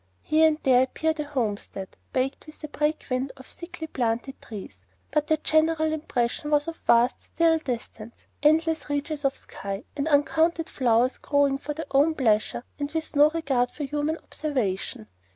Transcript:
Here and there appeared a home stead, backed with a "break wind" of thickly planted trees; but the general impression was of vast, still distance, endless reaches of sky, and uncounted flowers growing for their own pleasure and with no regard for human observation.